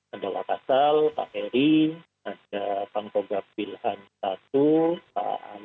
ada pak kasal pak eri ada pangkogak wilhan i pak andi ada rektor unan pak utapian